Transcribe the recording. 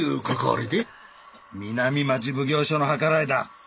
南町奉行所の計らいだ。